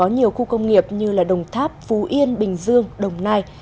như là đồng tháp phú yên bình dương đồng nai